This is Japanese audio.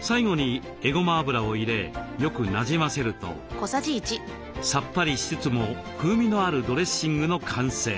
最後にえごま油を入れよくなじませるとさっぱりしつつも風味のあるドレッシングの完成。